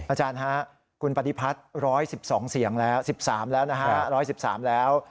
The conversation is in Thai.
อาจารย์ฮะคุณปฏิพัฒน์๑๑๒เสียงแล้ว๑๓แล้วนะฮะ๑๑๓แล้ว